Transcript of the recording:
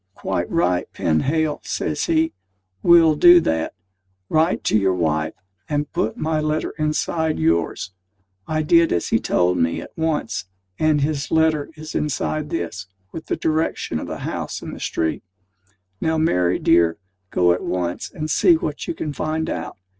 "Quite right, Penhale!" says he; "we'll do that. Write to your wife, and put my letter inside yours." I did as he told me, at once; and his letter is inside this, with the direction of the house and the street. Now, Mary, dear, go at once, and see what you can find out.